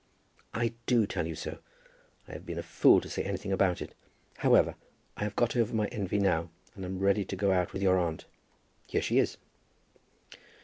"I do tell you so. I have been a fool to say anything about it. However, I have got over my envy now, and am ready to go out with your aunt. Here she is."